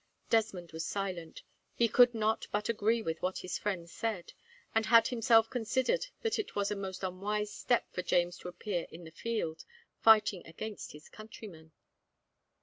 Desmond was silent. He could not but agree with what his friend said, and had himself considered that it was a most unwise step for James to appear in the field, fighting against his countrymen.